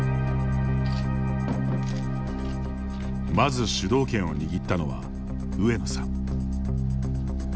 まず主導権を握ったのは上野さん。